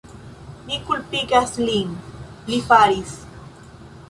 Mi kulpigas lin... li faris!